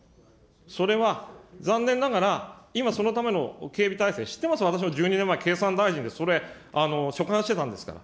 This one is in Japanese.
それは、残念ながら、今そのための警備体制、知ってますよ、私１２年前、経産大臣でそれ、所管してたんですから。